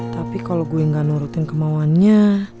tapi kalau gue gak nurutin kemauannya